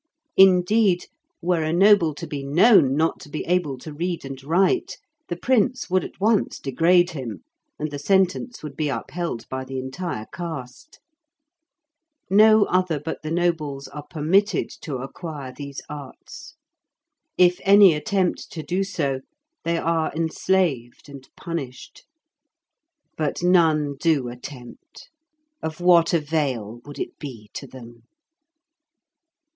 Indeed, were a noble to be known not to be able to read and write, the prince would at once degrade him, and the sentence would be upheld by the entire caste. No other but the nobles are permitted to acquire these arts; if any attempt to do so, they are enslaved and punished. But none do attempt; of what avail would it be to them?